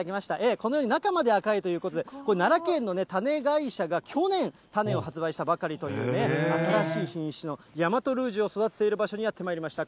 このように中まで赤いということで、これ、奈良県のね、種会社が去年種を発売したばかりというね、新しい品種の大和ルージュを育てている場所にやってまいりました。